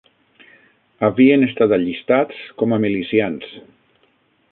Havien estat allistats com a milicians